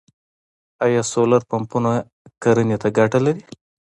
آیا سولر پمپونه کرنې ته ګټه لري؟